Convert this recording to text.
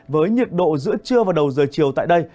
với nhiệt độ giữa trưa và đầu giờ chiều tại đây